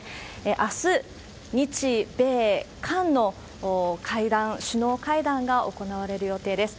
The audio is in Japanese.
あす、日米韓の会談、首脳会談が行われる予定です。